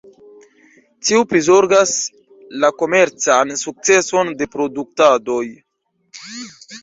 Tiu prizorgas la komercan sukceson de produktadoj.